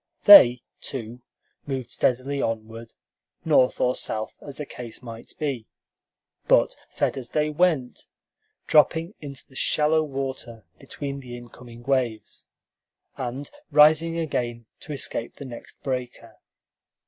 They, too, moved steadily onward, north or south as the case might be, but fed as they went, dropping into the shallow water between the incoming waves, and rising again to escape the next breaker.